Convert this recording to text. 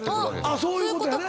そういうことやね。